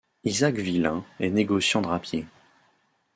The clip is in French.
Isaac Villain est négociant drapier.